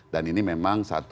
dan ini memang satu